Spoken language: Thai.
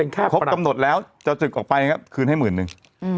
แต่ถ้าเกิดว่าครบกำหนดแล้วจะสืบออกไปคืนให้หมื่นหนึ่ง